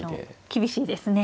厳しいですね。